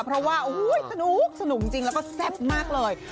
เพราะว่าโอ้โหสนุกจริงแล้วก็แซ่บมากเลย